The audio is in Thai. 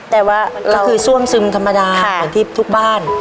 แต่ว่าก็คือซ่วมซึมธรรมดาเหมือนที่ทุกบ้าน